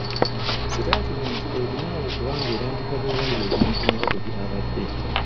Sitaatimenti erina okuba ng'erambika bulungi ebintu nga bwe byabadde.